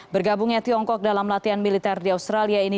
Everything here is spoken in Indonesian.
bergabungnya tiongkok dalam latihan militer di australia ini